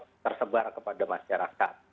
terus kita sebar kepada masyarakat